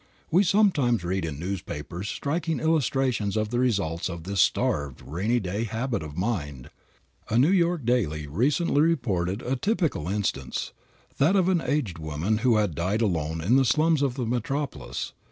We sometimes read in newspapers striking illustrations of the results of this starved, rainy day habit of mind. A New York daily recently reported a typical instance; that of an aged woman who had died alone in the slums of the metropolis.